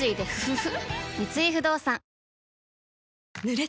三井不動産女性